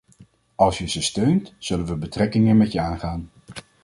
Als je ze steunt, zullen we betrekkingen met je aangaan.